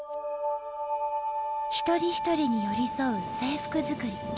一人一人に寄り添う制服作り。